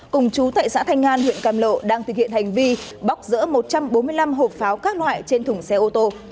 cùng chú tại xã thanh an huyện cam lộ đang thực hiện hành vi bóc rỡ một trăm bốn mươi năm hộp pháo các loại trên thùng xe ô tô